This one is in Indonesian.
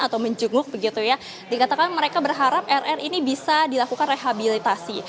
atau menjenguk begitu ya dikatakan mereka berharap rr ini bisa dilakukan rehabilitasi